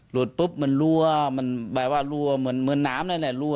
ปุ๊บมันรั่วมันแบบว่ารั่วเหมือนน้ำนั่นแหละรั่